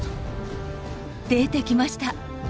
出てきました！